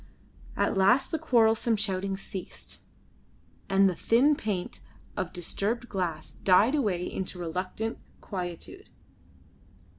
At last the quarrelsome shouting ceased, and the thin plaint of disturbed glass died away into reluctant quietude.